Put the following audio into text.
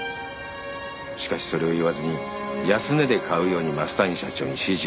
しかしそれを言わずに安値で買うように増谷社長に指示をした。